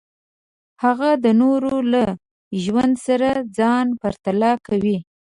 هغه د نورو له ژوند سره ځان پرتله کوي.